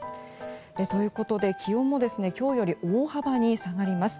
ということで、気温も今日より大幅に下がります。